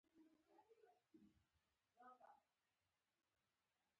هخامنشیانو په دوره کې ایران اردن ښار نیسي.